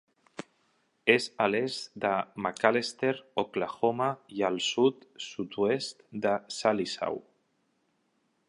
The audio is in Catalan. És a l'est de McAlester, Oklahoma, i al sud, sud-oest de Sallisaw.